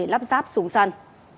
lắp ráp súng săn